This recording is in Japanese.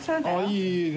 いえいえ！